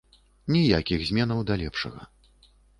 Ніякіх зменаў да лепшага.